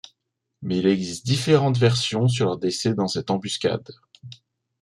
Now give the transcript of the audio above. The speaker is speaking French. Mais il existe différentes versions sur leur décès dans cette embuscade.